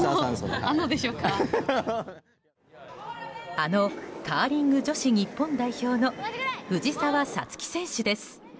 あのカーリング女子日本代表の藤澤五月選手です。